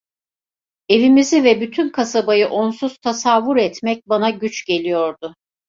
Evimizi ve bütün kasabayı, onsuz tasavvur etmek bana güç geliyordu.